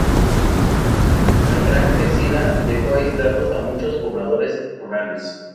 La gran crecida dejó aislados a muchos pobladores rurales.